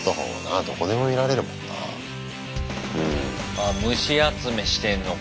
あ虫集めしてんのか。